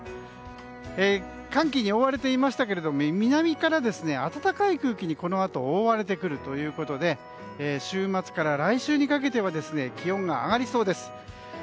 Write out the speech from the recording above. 寒気に覆われていましたけれども南から暖かい空気に、このあと覆われてくるということで週末から来週にかけて気温が上がりそうです。